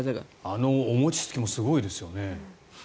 あの餅つきもすごいですよね。